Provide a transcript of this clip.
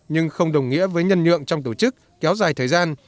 nhưng không đồng nghĩa với nhân nhượng trong tổ chức kéo dài thời gian